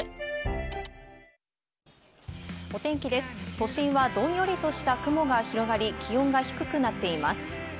都心はどんよりとした雲が広がり気温が低くなっています。